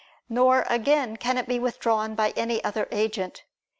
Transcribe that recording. Nor again can it be withdrawn by any other agent.